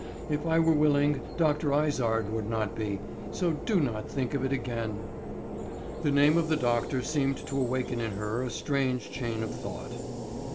If I were willing, Dr. Izard would not be; so do not think of it again." The name of the doctor seemed to awaken in her a strange chain of thought.